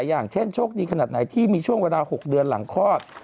อย่างเช่นโชคดีขนาดไหนที่มีช่วงเวลา๖เดือนหลังคลอด